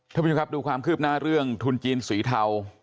ท่านผู้ชมครับดูความคืบหน้าเรื่องทุนจีนสีเทา